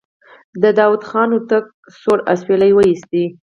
داوود خان هوتک سوړ اسويلی وايست.